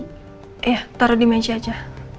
eh taruh di meja aja